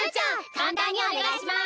簡単にお願いします！